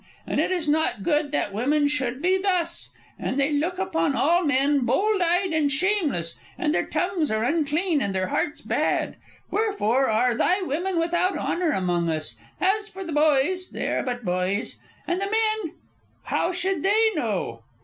And it is not good that women should he thus. And they look upon all men, bold eyed and shameless, and their tongues are unclean, and their hearts bad. Wherefore are thy women without honor among us. As for the boys, they are but boys. And the men; how should they know?"